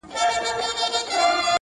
زه او دغه لوبه داسي وو